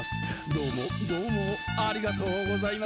「どうもどうもありがとうございます」